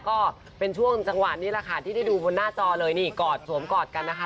ขึ้นที่จะไปขึ้นเครื่องนะคะ